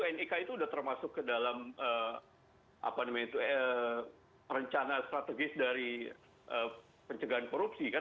nik itu sudah termasuk ke dalam rencana strategis dari pencegahan korupsi kan